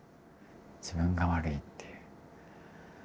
自分が悪いっていう。